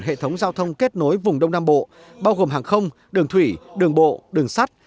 hệ thống giao thông kết nối vùng đông nam bộ bao gồm hàng không đường thủy đường bộ đường sắt